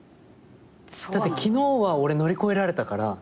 だって昨日は俺乗り越えられたから。